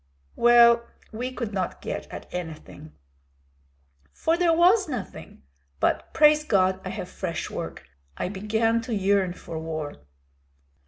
"Well, we could not get at anything." "For there was nothing. But, praise God, I have fresh work; I began to yearn for war."